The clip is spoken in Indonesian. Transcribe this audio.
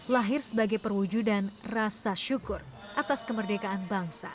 lahir sebagai perwujudan rasa syukur atas kemerdekaan bangsa